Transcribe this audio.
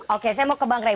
oke saya mau ke bang ray